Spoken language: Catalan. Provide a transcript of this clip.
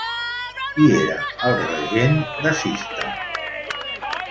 Qui era el regent de Sistan?